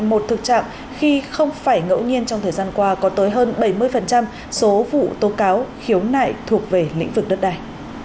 một thực trạng khi không phải ngẫu nhiên trong thời gian qua có tới hơn bảy mươi số vụ tố cáo khiếu nại thuộc về lĩnh vực đất đai